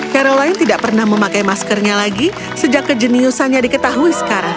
caroline tidak pernah memakai maskernya lagi sejak kejeniusannya diketahui sekarang